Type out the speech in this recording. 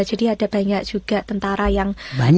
jadi ada banyak juga tentara yang